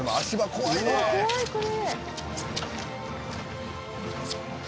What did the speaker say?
「怖いこれ」